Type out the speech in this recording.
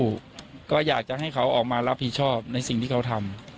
อยู่ก็อยากจะให้เขาออกมารับผิดชอบในสิ่งที่เขาทำ